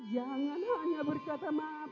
jangan hanya berkata maaf